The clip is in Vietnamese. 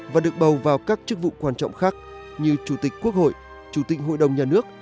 và được bầu vào các chức vụ quan trọng khác như chủ tịch quốc hội chủ tịch hội đồng nhà nước